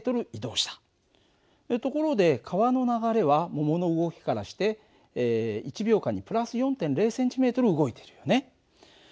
ところで川の流れは桃の動きからして１秒間に＋４．０ｃｍ動いてるよね。